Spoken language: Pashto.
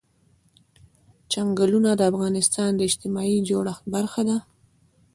چنګلونه د افغانستان د اجتماعي جوړښت برخه ده.